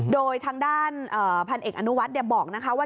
โดยทางด้านพันธ์เอกอนุวัติบอกว่า